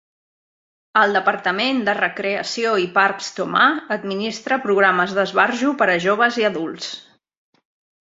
El Departament de Recreació i Parcs Tomah administra programes d'esbarjo per a joves i adults.